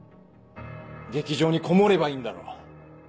劇場にこもればいいんだろ！